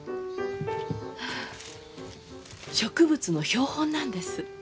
植物の標本なんです。